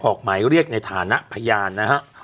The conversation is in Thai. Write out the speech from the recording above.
ออกหมายเรียกในฐานะพยานนะฮะ